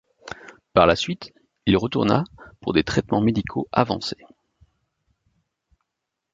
Par la suite, il retourna pour des traitements médicaux avancés.